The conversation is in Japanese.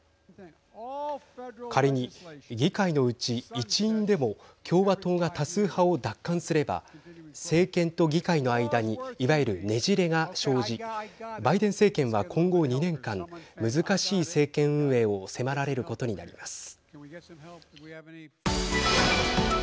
仮に議会のうち１院でも共和党が多数派を奪還すれば政権と議会の間にいわゆる、ねじれが生じバイデン政権は、今後２年間難しい政権運営を迫られることになります。